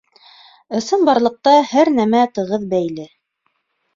Ысынбарлыҡта һәр нәмә тығыҙ бәйле.